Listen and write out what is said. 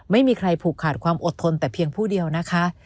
ไม่มีใครผูกขาดความอดทนแต่เพียงผู้เดียวนะคะ